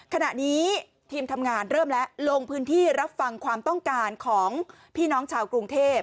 ขณะนี้ทีมทำงานเริ่มแล้วลงพื้นที่รับฟังความต้องการของพี่น้องชาวกรุงเทพ